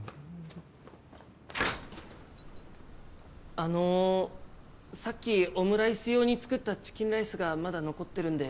あのさっきオムライス用に作ったチキンライスがまだ残ってるんで。